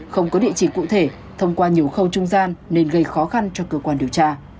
không có địa chỉ cụ thể thông qua nhiều khâu trung gian nên gây khó khăn cho cơ quan điều tra